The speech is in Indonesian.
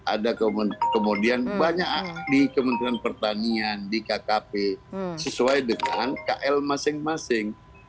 ada kemudian banyak di kementerian pertanian di kkp sesuai dengan kl masing masing